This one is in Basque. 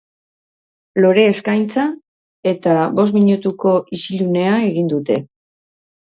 Lore eskaintza eta bost minutuko isilunea egin dute.